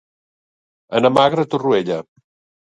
Anar magre a Torroella.